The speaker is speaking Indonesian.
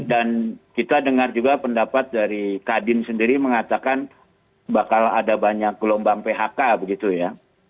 dan kita dengar juga pendapat dari kadin sendiri mengatakan bakal ada banyak gelombang phk begitu ya